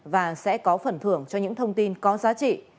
và sẽ có phần thưởng cho những thông tin có giá trị